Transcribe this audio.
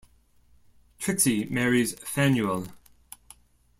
Trixie marries Fanuel.